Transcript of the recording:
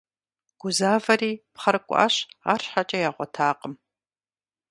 Гузавэри пхъэр кӀуащ, арщхьэкӀэ ягъуэтакъым.